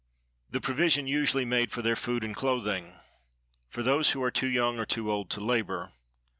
"The provision usually made for their food and clothing,—for those who are too young or too old to labor."